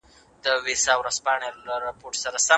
فشار. ملکالشعرای بهار د ایران په معاصره دوره